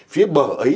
phía bờ ấy